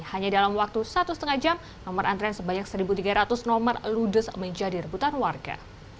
hanya dalam waktu satu lima jam nomor antrean sebanyak satu tiga ratus nomor ludes menjadi rebutan warga